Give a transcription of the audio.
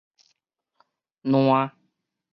涎